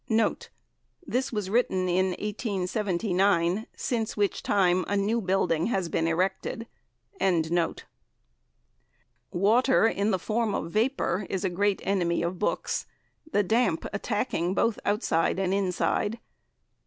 This was written in 1879, since which time a new building has been erected. Water in the form of vapour is a great enemy of books, the damp attacking both outside and inside.